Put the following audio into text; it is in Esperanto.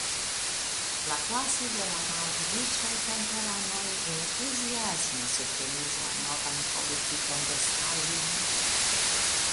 La klaso de la malriĉaj kamparanoj entuziasme subtenis la novan politikon de Stalin.